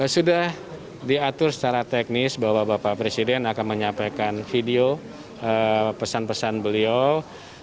sudah diatur secara teknis bahwa bapak presiden akan menyampaikan video pesan pesan beliau